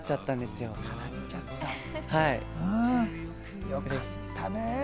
よかったね。